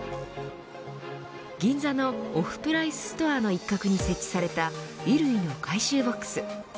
銀座のオフプライスストアの一角に設置された衣類の回収ボックス。